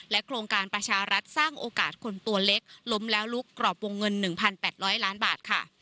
โครงการประชารัฐสร้างโอกาสคนตัวเล็กล้มแล้วลุกกรอบวงเงิน๑๘๐๐ล้านบาทค่ะ